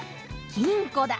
金庫だ。